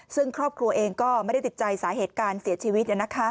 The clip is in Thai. ซึ่งครอบครัวเองก็ไม่ได้ติดใจสาเหตุการเสียชีวิต